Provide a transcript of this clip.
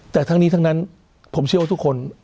แต่ทั้งนี้ทั้งนั้นผมเชื่อว่าทุกคน